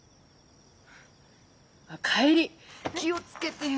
帰り気を付けてよ。